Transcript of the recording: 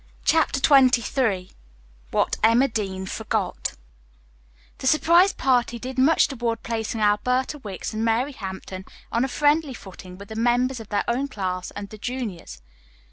CHAPTER XXIII WHAT EMMA DEAN FORGOT The surprise party did much toward placing Alberta Wicks and Mary Hampton on a friendly footing with the members of their own class and the juniors.